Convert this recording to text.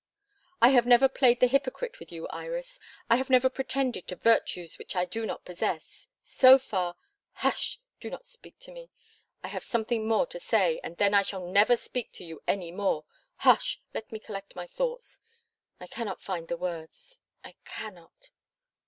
"I have never played the hypocrite with you, Iris. I have never pretended to virtues which I do not possess. So far " "Hush! Do not speak to me. I have something more to say, and then I shall never speak to you any more. Hush! Let me collect my thoughts. I cannot find the words. I cannot.